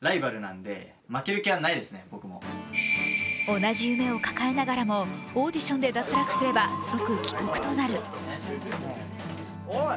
同じ夢を抱えながらもオーディションで脱落すれば即帰国となる。